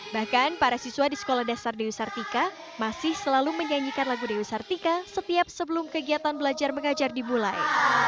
bahkan para siswa di sekolah dasar dewi sartika masih selalu menyanyikan lagu dewi sartika setiap sebelum kegiatan belajar mengajar dimulai